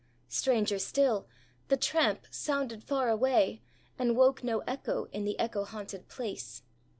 Stranger still, the tramp sounded far away, and woke no echo in the echo haunted place.